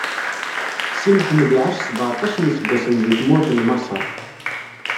Si Mḥemmed iɛac sbeɛṭac n iseggasen di tmurt n Maṣer.